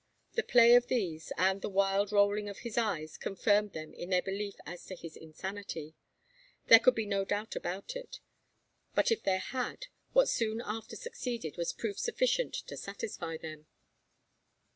The play of these, and the wild rolling of his eyes, confirmed them in their belief as to his insanity. There could be no doubt about it; but if there had, what soon after succeeded was proof sufficient to satisfy them.